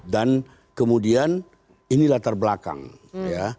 dan kemudian ini latar belakang ya